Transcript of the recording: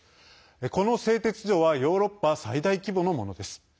この製鉄所はヨーロッパ最大規模のものです。